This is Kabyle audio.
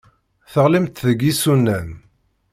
Teɣlimt deg yisunan.